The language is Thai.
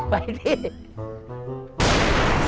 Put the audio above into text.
ไปดิ